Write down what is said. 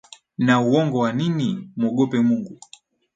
Na uongo wanini? Mwogope Mungu.